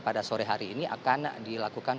pada sore hari ini akan dilakukan